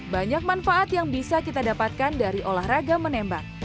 banyak manfaat yang bisa kita dapatkan dari olahraga menembak